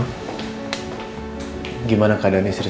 terima kasih jakarta